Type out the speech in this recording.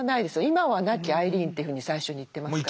今は亡きアイリーンというふうに最初に言ってますから。